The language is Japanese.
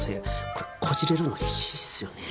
これこじれるの必至っすよね？